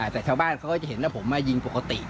แต่ชาวบ้านเขาก็จะเห็นแล้วผมมายิงปกติ